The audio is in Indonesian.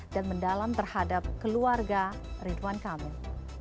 dan mendalam terhadap keluarga ridwan kamil